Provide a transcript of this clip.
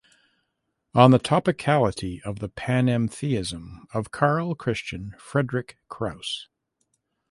On the topicality of the panentheism of Karl Christian Friedrich Krause.